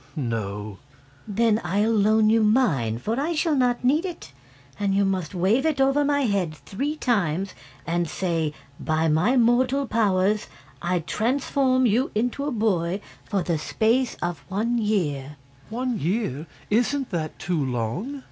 "No." "Then I'll loan you mine, for I shall not need it. And you must wave it over my head three times and say: 'By my mortal powers I transform you into a boy for the space of one year'." "One year! Isn't that too long?"